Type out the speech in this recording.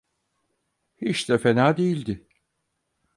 Hiç de fena değildi.